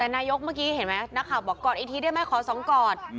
แต่นายกเมื่อกี้เห็นไหมบอกกอดไอ้ทีได้ไหมขอสองกอด